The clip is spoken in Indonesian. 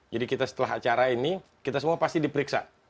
jadi kita setelah acara ini kita semua pasti diperiksa